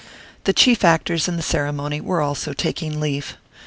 The chief actors in the ceremony were also taking leave.